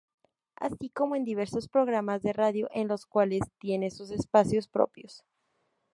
Así como en diversos programas de radio en los cuales tiene sus espacios propios.